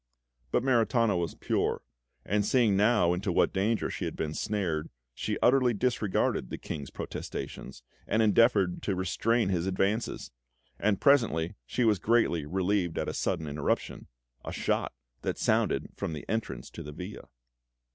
But Maritana was pure, and seeing now into what danger she had been snared, she utterly disregarded the King's protestations, and endeavoured to restrain his advances; and presently she was greatly relieved at a sudden interruption a shot that sounded from the entrance to the villa.